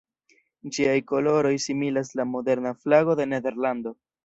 Ĝiaj koloroj similas la moderna flago de Nederlando.